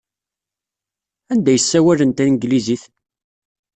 Anda ay ssawalen tanglizit?